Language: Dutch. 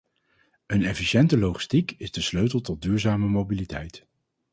Een efficiënte logistiek is de sleutel tot duurzame mobiliteit.